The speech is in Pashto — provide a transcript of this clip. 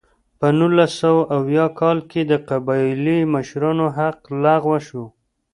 په نولس سوه اویا کال کې د قبایلي مشرانو حق لغوه شو.